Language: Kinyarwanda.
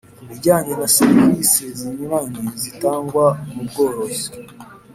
Ku bijyanye na serivisi zinyuranye zitangwa mu bworozi